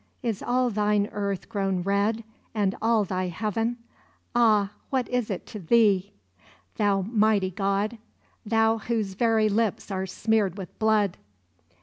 Is all Thine earth grown red, and all Thy heaven? Ah, what is it to Thee, Thou mighty God Thou, whose very lips are smeared with blood!